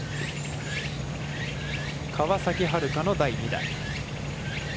川崎春花の第２打。